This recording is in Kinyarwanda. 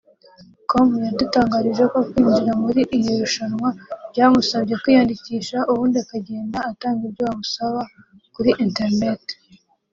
com yadutangarije ko kwinjira muri iri rushanwa byamusabye kwiyandikisha ubundi akagenda atanga ibyo bamusaba kuri internet